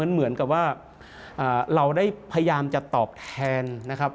เหมือนกับว่าเราได้พยายามจะตอบแทนนะครับ